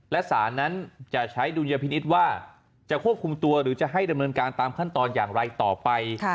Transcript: และสารนั้นจะใช้ดุลยพินิษฐ์ว่าจะควบคุมตัวหรือจะให้ดำเนินการตามขั้นตอนอย่างไรต่อไป